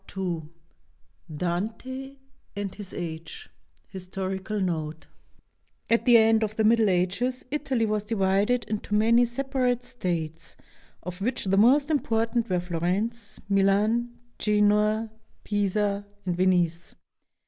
II DANTE AND HIS AGE HISTORICAL NOTE At the end of the Middle Ages Italy was divided into many separate states, of which the most important were Florence, Milan, Genoa, Pisa, and Venice.